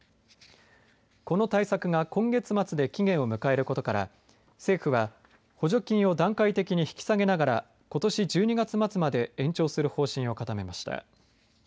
この対策が今月末で期限を迎えることから政府は、補助金を段階的に引き下げながらことし１２月末まで延長する方針を固めました。